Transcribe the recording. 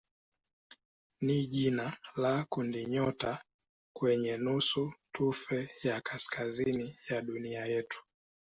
ni jina la kundinyota kwenye nusutufe ya kaskazini ya dunia yetu.